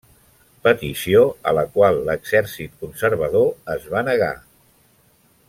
Petició a la qual l'exèrcit conservador es va negar.